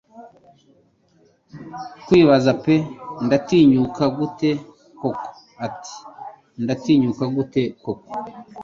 Kwibaza pe "Ndatinyuka gute koko" ati: "Ndatinyuka gute koko"